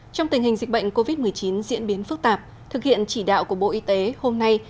trong tình hình dịch bệnh covid một mươi chín diễn biến phức tạp thực hiện chỉ đạo của bộ y tế hôm nay